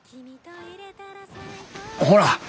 ほら。